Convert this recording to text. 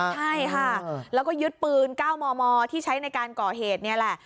ใช่ค่ะแล้วก็ยึดปืน๙มมที่ใช้ในการก่อเหตุนี่แหละ